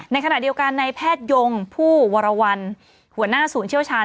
ในขณะเดียวกันในแพทยงผู้วรวรรณหัวหน้าศูนย์เชี่ยวชาญ